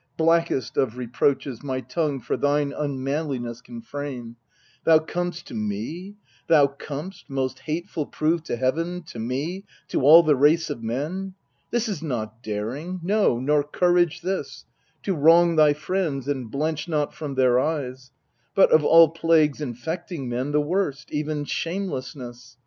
blackest of reproaches My tongue for thine unmanliness can frame Thou com'st to me thou com'st, most hateful proved To Heaven, to me, to all the race of men ! This is not daring, no, nor courage this, To wrong thy friends, and blench not from their eyes, But, of all plagues infecting men, the worst, Even shamelessness.